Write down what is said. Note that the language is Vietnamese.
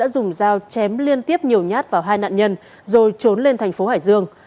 dao chém liên tiếp nhiều nhát vào hai nạn nhân rồi trốn lên thành phố hải dương